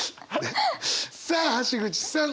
さあ橋口さん